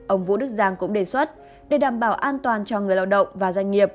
ông vũ đức giang cũng đề xuất để đảm bảo an toàn cho người lao động và doanh nghiệp